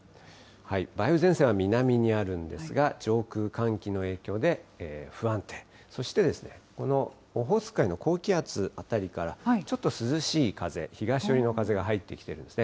梅雨前線は南にあるんですが、上空、寒気の影響で不安定、そしてこのオホーツク海の高気圧辺りからちょっと涼しい風、東寄りの風が入ってきているんですね。